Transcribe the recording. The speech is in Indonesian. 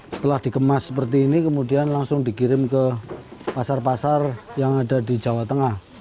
setelah dikemas seperti ini kemudian langsung dikirim ke pasar pasar yang ada di jawa tengah